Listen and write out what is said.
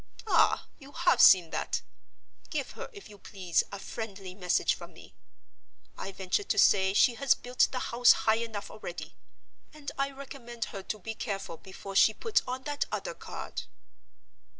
Ah, you have seen that. Give her, if you please, a friendly message from me. I venture to say she has built the house high enough already; and I recommend her to be careful before she puts on that other card."